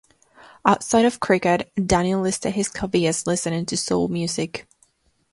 Outside of cricket, Daniel listed his hobby as "listening to soul music".